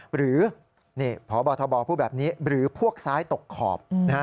หรือพบทบพูดแบบนี้หรือพวกซ้ายตกขอบ